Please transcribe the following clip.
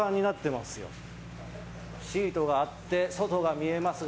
シートがあって、外が見えますが。